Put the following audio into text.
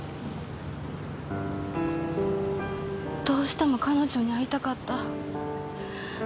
どうしても彼女に会いたかった。